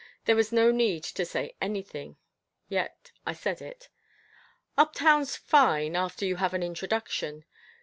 There was no need to say anything, yet I said it. "Uptown's fine, after you have an introduction.